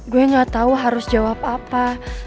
gue gak tau harus jawab apa